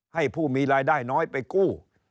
ผู้มีรายได้น้อยไปกู้